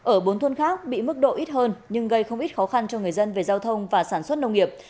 ở bốn thôn khác bị mức độ ít hơn nhưng gây không ít khó khăn cho người dân về giao thông và sản xuất nông nghiệp